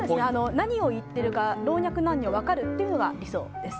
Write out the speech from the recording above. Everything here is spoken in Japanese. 何を言ってるか老若男女分かるのが理想です。